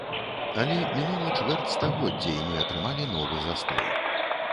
Але мінула чвэрць стагоддзя, і мы атрымалі новы застой.